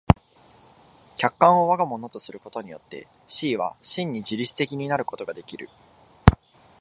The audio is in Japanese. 客観を我が物とすることによって思惟は真に自律的になることができる。